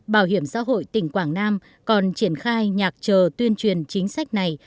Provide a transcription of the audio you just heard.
bảo hiểm xã hội tỉnh quảng nam còn triển khai nhạc trờ tuyên truyền chính sách này